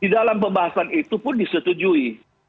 di dalam pembahasan itu pun disetujui